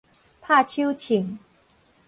拍手銃